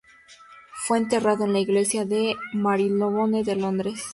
Fue enterrado en la Iglesia de St Marylebone de Londres.